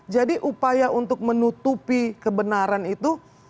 jadi upaya untuk menutupi kebenaran itu